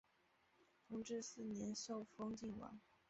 弘治四年受封泾王。